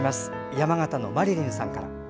山形のマリリンさんから。